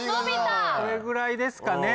これぐらいですかね？